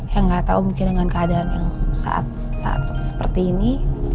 ya gak tahu mungkin dengan keadaan yang saat saat seperti ini